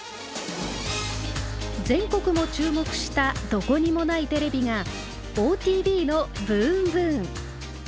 全国も注目した「どこにもないテレビ」がＯＴＶの「ＢＯＯＭＢＯＯＭ」。